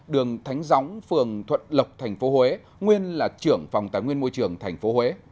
đường thánh gióng phường thuận lộc tp huế nguyên là trưởng phòng tài nguyên môi trường tp huế